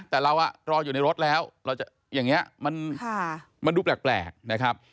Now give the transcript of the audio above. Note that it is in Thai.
แต่เรารออยู่ในรถแล้วอย่างนี้มันดูแปลกนะครับ